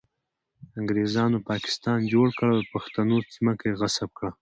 انګریزانو پاکستان جوړ کړ او د پښتنو ځمکه یې غصب کړه